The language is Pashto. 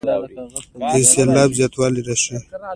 د یو سېلاب زیاتوالی راشي.